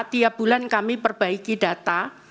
tiap bulan kami perbaiki data